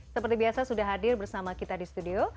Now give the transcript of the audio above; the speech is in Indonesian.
seperti biasa sudah hadir bersama kita di studio